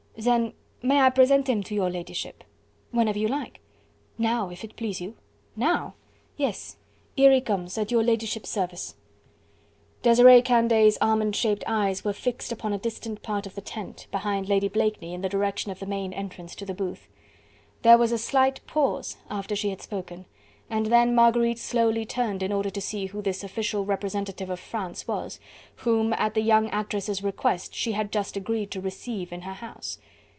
"Then may I present him to your ladyship?" "Whenever you like." "Now, and it please you." "Now?" "Yes. Here he comes, at your ladyship's service." Desiree Candeille's almond shaped eyes were fixed upon a distant part of the tent, behind Lady Blakeney in the direction of the main entrance to the booth. There was a slight pause after she had spoken and then Marguerite slowly turned in order to see who this official representative of France was, whom at the young actress' request she had just agreed to receive in her house.